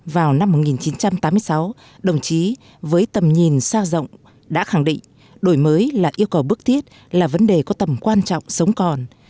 vào năm một nghìn chín trăm tám mươi sáu đồng chí với tầm nhìn xa rộng đã khẳng định đổi mới là yêu cầu bức thiết là vấn đề có tầm quan trọng sống còn